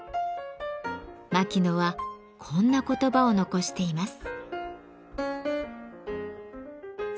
牧野はこんな言葉を残しています。